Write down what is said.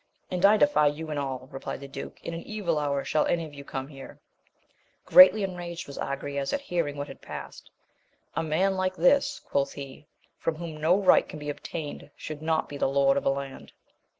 And I defy you and all, replied the duke ; in an evil hour shall any of you come here ! Greatly enraged was Agrayes at hearing what had passed : a man like this, quoth he, from whom no right can be obtained, should not be the lord of a land.